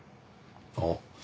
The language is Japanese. あっ。